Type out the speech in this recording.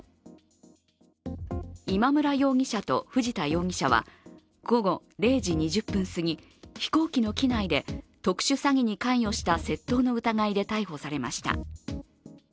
今村容疑者と藤田容疑者は午後０時２０分すぎ飛行機の機内で特殊詐欺に関与した窃盗の疑いで逮捕されました。